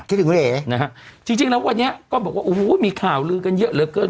คิดถึงไว้ไหนนะครับจริงแล้ววันนี้ก็บอกว่าโอ้โหมีข่าวลือกันเยอะเลยเกิน